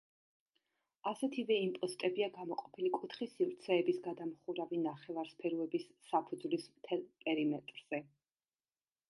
ასეთივე იმპოსტებია გამოყოფილი კუთხის სივრცეების გადამხურავი ნახევარსფეროების საფუძვლის მთელ პერიმეტრზე.